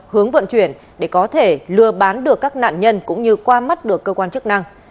hướng vận chuyển để có thể lừa bán được các nạn nhân cũng như qua mắt được cơ quan chức năng